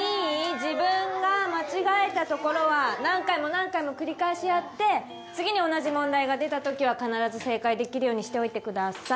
自分が間違えた所は何回も何回も繰り返しやって次に同じ問題が出た時は必ず正解できるようにしておいてください。